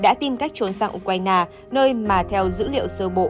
đã tìm cách trốn sang ukraine nơi mà theo dữ liệu sơ bộ